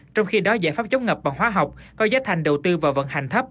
trong khi đó giải pháp chống ngập bằng hóa học có giá thành đầu tư vào vận hành thấp